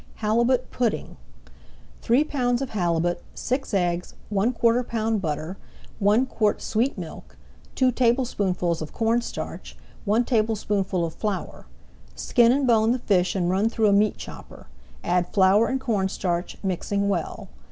HALIBUT PUDDING Three pounds of halibut, six eggs, one quarter pound butter, one quart sweet milk, two tablespoonfuls of corn starch, one tablespoonful of flour. Skin and bone the fish and run through a meat chopper. Add flour and corn starch, mixing well.